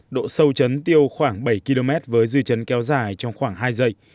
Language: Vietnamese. độ sâu chấn tiêu khoảng bảy km với dư chấn kéo dài trong khoảng hai giây